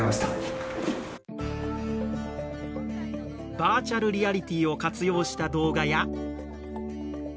バーチャルリアリティを活用した動画や。